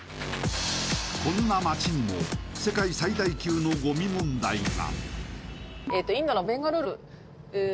こんな街にも、世界最大級のごみ問題が。